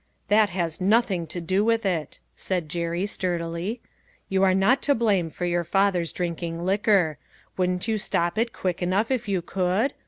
" That has nothing to do with it," said Jerry sturdily. " You are not to blame for your fath er's drinking liquor. Wouldn't you stop it quick enough if you could